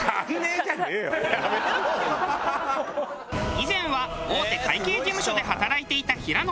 以前は大手会計事務所で働いていた平野さん。